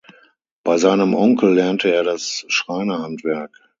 Bei seinem Onkel lernte er das Schreinerhandwerk.